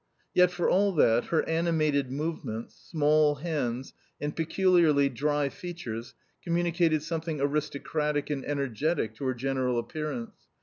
Yet, for all that, her animated movements, small hands, and peculiarly dry features communicated something aristocratic and energetic to her general appearance.